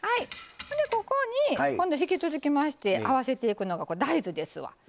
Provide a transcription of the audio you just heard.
ここに引き続きまして合わせていくのが大豆ですわ。